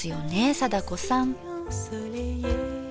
貞子さん。